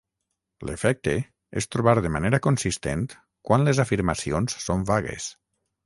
L'efecte és trobar de manera consistent quan les afirmacions són vagues.